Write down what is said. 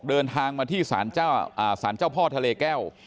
เดินทางมาที่ศาลเจ้าอ่าศาลเจ้าพ่อทะเลแก้ว